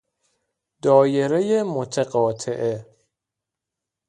دایره متقاطعه